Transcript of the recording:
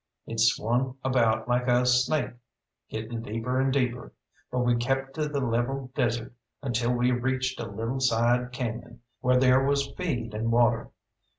It swung about like a snake, getting deeper and deeper; but we kept to the level desert, until we reached a little side cañon, where there was feed and water.